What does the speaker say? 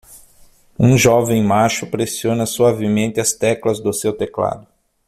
Um jovem macho pressiona suavemente as teclas do seu teclado.